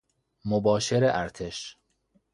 مباشر ارتش